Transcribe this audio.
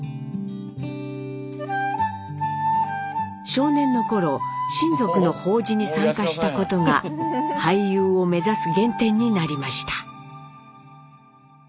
少年の頃親族の法事に参加したことが俳優を目指す原点になりました。